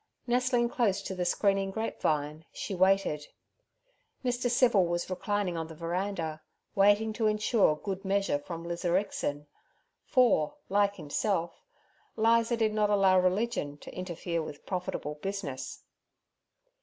Nestling close to the screening grape vine, she waited. Mr. Civil was reclining on the veranda, waiting to insure good measure from Lizarixin; for, like himself, Liza did not allow religion to interfere with profitable business.